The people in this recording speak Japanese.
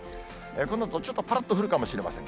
このあと、ちょっとぱらっと降るかもしれません。